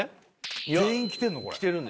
全員着てんの？